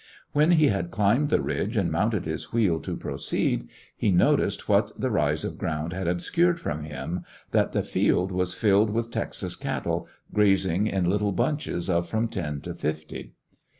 When he had climbed the ridge and mounted his wheel to proceed, he noticed what the rise of ground had obscured from him— that the field was filled with Texas cattle grazing in little bunches of from ten to fifty.